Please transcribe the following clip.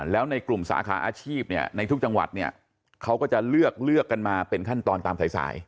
แล้วในกลุ่มสาขาอาชีพเนี่ยในทุกจังหวัดเนี่ยเขาก็จะเลือกเลือกกันมาเป็นขั้นตอนตามสาย